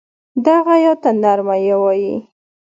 دغې ی ته نرمه یې وايي.